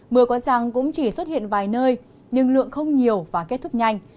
mưa có răng cũng chỉ xuất hiện vài nơi nhưng lượng không nhiều và kết thúc nhanh